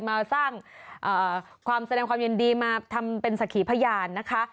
มาสร้างความแสดงความยินดีมาทำเป็นสักขีพยานนะคะ